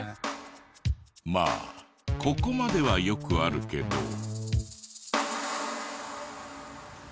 まあここまではよくあるけど。